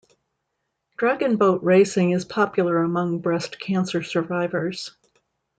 Dragon boat racing is popular among breast cancer survivors.